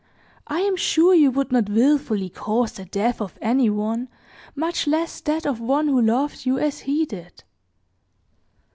I am sure you would not willfully cause the death of any one, much less that of one who loved you as he did."